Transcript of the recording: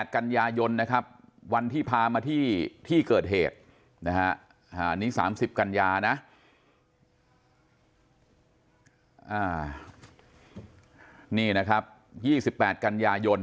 ๒๘กันยายนวันที่พามาที่เกิดเหตุนี่๓๐กันยานี่นะครับ๒๘กันยายน